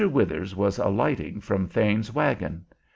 Withers was alighting from Thane's wagon.